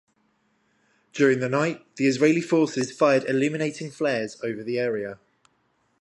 During the night, the Israeli forces fired illuminating flares over the area.